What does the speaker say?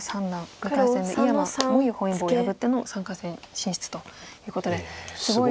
２回戦で井山文裕本因坊を破っての３回戦進出ということですごい。